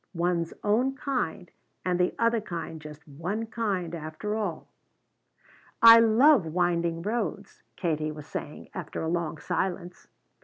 One's own kind and the other kind just one kind, after all? "I love winding roads," Katie was saying, after a long silence.